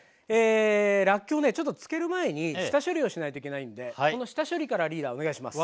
らっきょうねちょっと漬ける前に下処理をしないといけないんでこの下処理からリーダーお願いします。